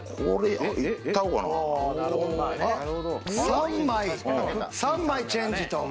３枚３枚チェンジと。